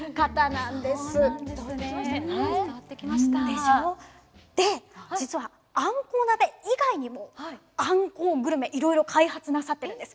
でしょ？で実はあんこう鍋以外にもあんこうグルメいろいろ開発なさっているんです。